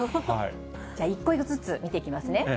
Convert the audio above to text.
じゃあ、１個ずつ見ていきますね。